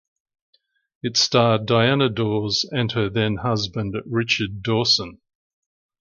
It starred Diana Dors and her then husband Richard Dawson.